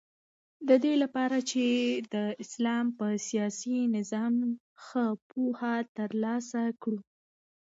ددې لپاره چی د اسلام په سیاسی نظام ښه پوهه تر لاسه کړو